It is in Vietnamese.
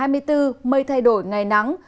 mây thay đổi ngày nắng